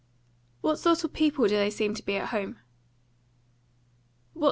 "What sort of people do they seem to be at home?"